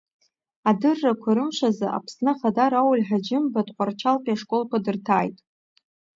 Адыррақәа Рымш азы Аԥсны Ахада Рауль Ҳаџьымба Тҟәарчалтәи ашколқәа дырҭааит.